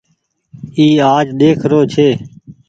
اي آج ۮيک رو ڇي۔